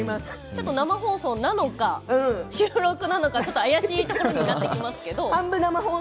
ちょっと生放送なのか収録なのか怪しいところになってきますけど。